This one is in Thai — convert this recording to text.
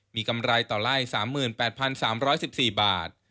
มีกำไรต่อไล่๓๘๓๑๔บาท